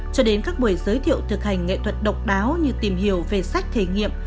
cho đến các buổi giới thiệu thực hành nghệ thuật độc đáo như tìm hiểu về sách thể nghiệm